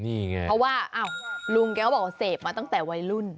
นี่ไงเพราะว่าลุงแกก็บอกว่าเสพมาตั้งแต่วัยรุ่น